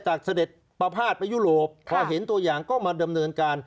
เสด็จประพาทไปยุโรปพอเห็นตัวอย่างก็มาดำเนินการ